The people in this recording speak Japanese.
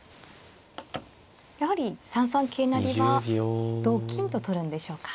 やはり３三桂成は同金と取るんでしょうか。